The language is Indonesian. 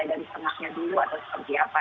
atau seperti apa